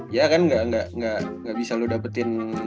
ya kan gak bisa lu dapetin